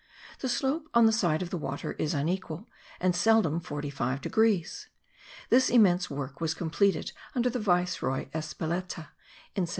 The slope on the side of the water is unequal, and seldom 45 degrees. This immense work was completed under the Viceroy Espeleta in 1795.